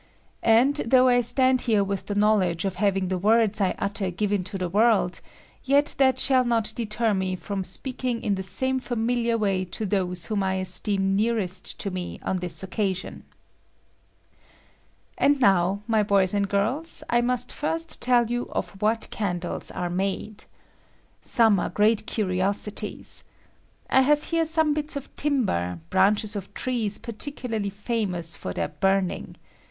And, though I stand here with the knowledge of having the words I utter given to the world, yet that shall not deter me Irom speaking in the same familiar way to those whom I esteem nearest to me on this occasion. And now, my boys and girls, I must first tell you of what candles are made. Some are great curiosities. I have here some bits of timber, branches of trees particularly famous for their ■e 13 I J CANDLE WOOD. H buming.